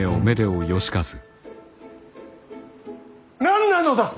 何なのだ！